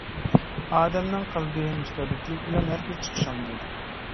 ئادەمنىڭ قەلبى مۇستەبىتلىك بىلەن ھەرگىز چىقىشالمايدۇ.